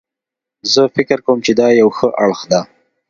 زه فکر کوم چې دا یو ښه اړخ ده